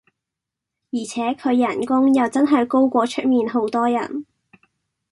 而且佢人工又真係高過出面好多人